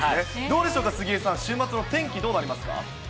どうでしょうか、杉江さん、週末の天気、どうなりますか。